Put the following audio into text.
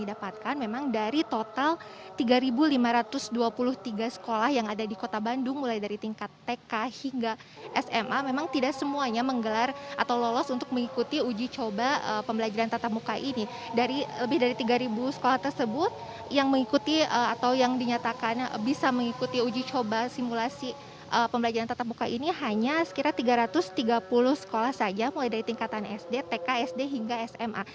atau yang dinyatakan bisa mengikuti uji coba simulasi pembelajaran tatap muka ini hanya sekitar tiga ratus tiga puluh sekolah saja mulai dari tingkatan sd tk sd hingga sma